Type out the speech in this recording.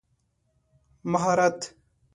مهارت